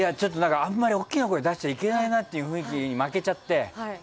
あんまり大きな声を出しちゃいけないなっていう雰囲気に負けちゃって。